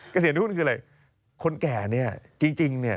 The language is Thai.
เกษียณหุ้นคืออะไรคนแก่เนี่ยจริงเนี่ย